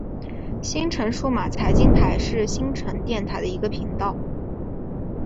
新城数码财经台是新城电台的一个频道。